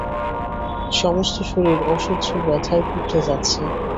সমস্ত শরীর অসহ্য ব্যথায় কুঁকড়ে যাচ্ছে।